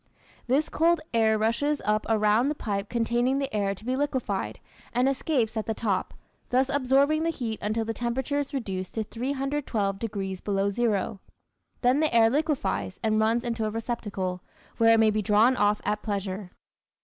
This cold air rushes up around the pipe containing the air to be liquefied and escapes at the top, thus absorbing the heat until the temperature is reduced to 312 degrees below zero. Then the air liquefies and runs into a receptacle, where it may be drawn off at pleasure.